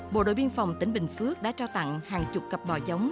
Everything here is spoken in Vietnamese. bộ đội biên phòng tỉnh bình phước đã trao tặng hàng chục cặp bò giống